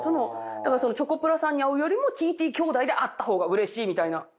だからそのチョコプラさんに会うよりもＴＴ兄弟で会ったほうがうれしいみたいな。